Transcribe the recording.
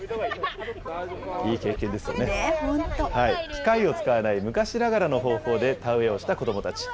機械を使わない昔ながらの方法で田植えをした子どもたち。